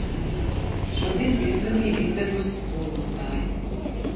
Šodien piezvanīja izdegusi skolotāja.